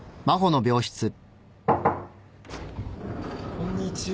・・こんにちは。